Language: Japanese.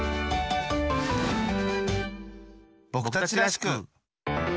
ぼくたちらしく。